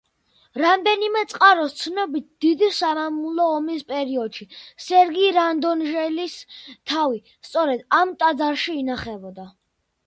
რამდენიმე წყაროს ცნობით დიდი სამამულო ომის პერიოდში სერგი რადონეჟელის თავი სწორედ ამ ტაძარში ინახებოდა.